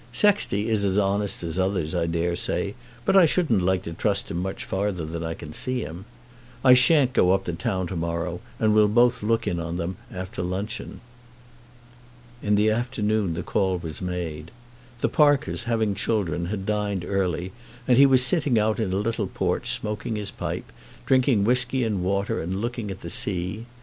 Sexty is as honest as others, I dare say, but I shouldn't like to trust him much farther than I can see him. I shan't go up to town to morrow, and we'll both look in on them after luncheon." In the afternoon the call was made. The Parkers, having children, had dined early, and he was sitting out in a little porch smoking his pipe, drinking whisky and water, and looking at the sea.